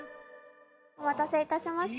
お待たせ致しました。